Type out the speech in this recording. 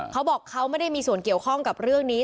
เขาบอกเขาไม่ได้มีส่วนเกี่ยวข้องกับเรื่องนี้